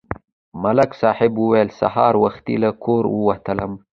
ملک صاحب ویل: سهار وختي له کوره ووتلم.